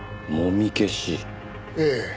ええ。